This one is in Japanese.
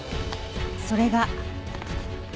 それが。